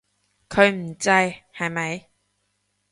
佢唔制，係咪？